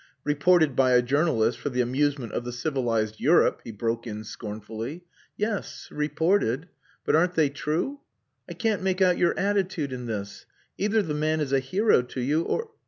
"Reported by a journalist for the amusement of the civilized Europe," he broke in scornfully. "Yes, reported.... But aren't they true? I can't make out your attitude in this? Either the man is a hero to you, or..."